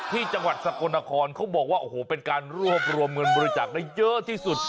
ที่จังหวัดสกลนครเขาบอกว่าโอ้โหเป็นการรวบรวมเงินบริจาคได้เยอะที่สุด